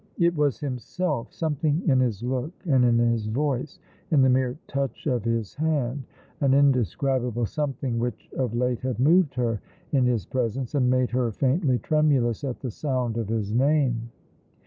It was himself — something in his look and in his voice, in the mere touch of his hand — an indescribable something which of late had moved her in his presence, and made her faintly tremulous at the sound of his name.